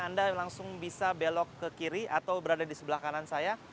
anda langsung bisa belok ke kiri atau berada di sebelah kanan saya